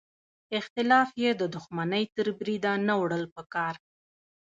اختلاف یې د دوښمنۍ تر بریده نه وړل پکار.